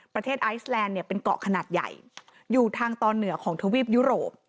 ประเทศไอศแลนด์เป็นเกาะขนาดใหญ่อยู่ทางตอนเหนือของทวีปยุโรป